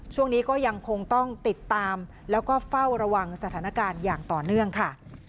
ช่วงนี้ก็ยังคงต้องติดตามแล้วก็เฝ้าระวังสถานการณ์อย่างต่อเนื่องค่ะ